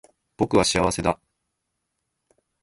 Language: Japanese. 僕は幸せだ